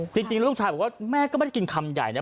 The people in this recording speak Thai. จริงลูกชายบอกว่าแม่ก็ไม่ได้กินคำใหญ่นะ